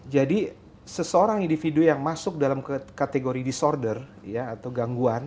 jadi seseorang individu yang masuk dalam kategori disorder atau gangguan ya